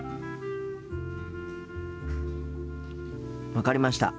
分かりました。